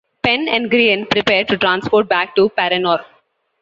Pen and Grianne prepare to transport back to Paranor.